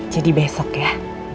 jadi besok ya